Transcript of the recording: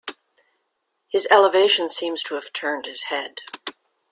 His elevation seems to have turned his head.